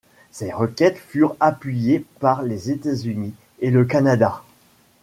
Ces requêtes furent appuyées par les États-Unis et le Canada.